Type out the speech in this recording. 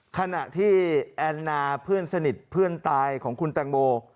ขณะที่แอนนาเพื่อนสนิทเพื่อนตายของคุณแตงโม